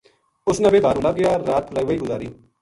اُس نا ویہ بھارو لبھ گیا رات پھُلاوائی گزاری